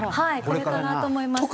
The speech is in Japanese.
これからだと思います。